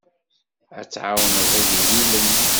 Ad tɛawneḍ igellilen.